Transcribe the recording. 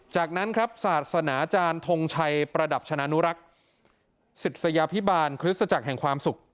จากนั้นครับศาสนาอาจารย์ทงชัยประดับชนะนุรักษ์ศิษยาพิบาลคริสตจักรแห่งความสุข